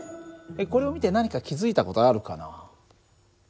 これを見て何か気付いた事あるかな？